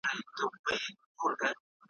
حیا مي راسي چي درته ګورم ,